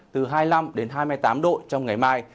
từ hai mươi năm đến hai mươi tám độ trong ngày mai